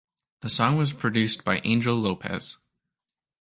The song was produced by Angel Lopez.